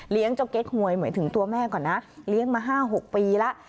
เลี้ยงเจ้าเก๊กหวยเหมือนถึงตัวแม่ก่อนนะเลี้ยงมาห้าหกปีละ